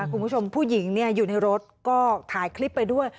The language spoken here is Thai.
คุณผู้ชมผู้หญิงอยู่ในรถก็ถ่ายคลิปไปด้วย